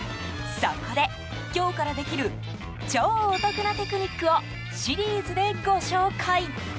そこで、今日からできる超お得なテクニックをシリーズでご紹介。